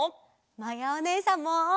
まやおねえさんも！